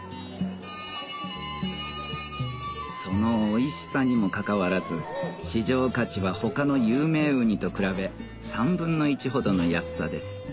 そのおいしさにもかかわらず市場価値は他の有名ウニと比べ３分の１ほどの安さです